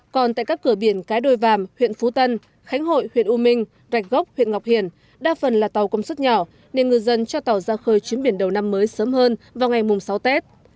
còn tại các cửa biển cái đôi vàm huyện phú tân khánh hội huyện u minh rạch gốc huyện ngọc hiển đa phần là tàu công suất nhỏ nên ngư dân cho tàu ra khơi chuyến biển đầu năm mới sớm hơn vào ngày mùng sáu tết